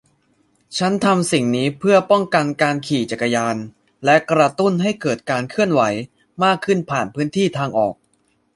ฉันทำสิ่งนี้เพื่อป้องกันการขี่จักรยานและกระตุ้นให้เกิดการเคลื่อนไหวมากขึ้นผ่านพื้นที่ทางออก